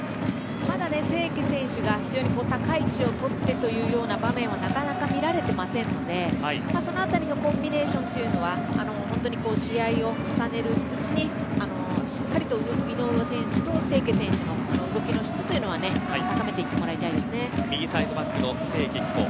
まだ清家選手が非常に高い位置を取ってというような場面がなかなか見られていませんのでそのあたりのコンビネーションというのは本当に試合を重ねるうちにしっかりと井上選手と清家選手の動きの質は高めていって右サイドバックの清家貴子。